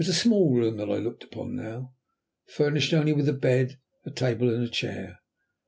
It was a small room that I looked upon now, furnished only with a bed, a table, and a chair.